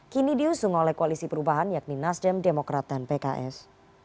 kini diusung oleh koalisi perubahan yakni nasdem demokrat dan pks